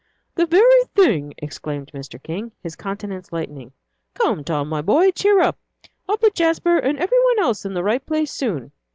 "The very thing!" exclaimed Mr. King, his countenance lightening. "Come, Tom, my boy, cheer up. I'll put Jasper and every one else in the right place soon.